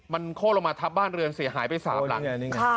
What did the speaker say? มันโค้ดลงมาทับบ้านเรือนเสียหายไปสามคันนี้